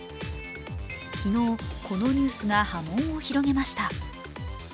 昨日、このニュースが波紋を広げました。